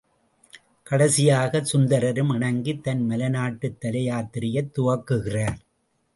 கடைசியாகச் சுந்தரரும் இணங்கி தன் மலைநாட்டுத் தலயாத்திரையைத் துவக்குகிறார்.